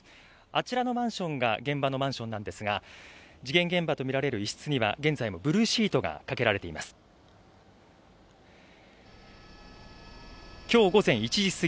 あちらのマンションが現場のマンションなんですが、事件現場とみられる一室には現在もブルーシートがかけられています。